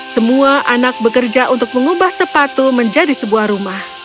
semua anak bekerja untuk mengubah sepatu menjadi sebuah rumah